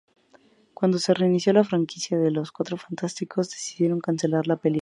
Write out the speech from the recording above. Cuando se reinició la franquicia de "Los Cuatro Fantásticos", decidieron cancelar la película.